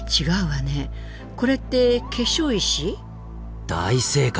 これって化粧石？大正解！